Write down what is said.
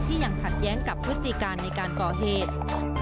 ยังขัดแย้งกับพฤติการในการก่อเหตุ